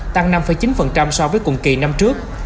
tăng năm chín so với cùng kỳ năm trước